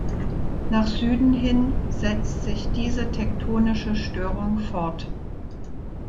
Nach Süden hin setzt sich diese tektonische Störung fort.